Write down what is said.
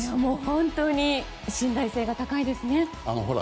本当に信頼性が高いですね。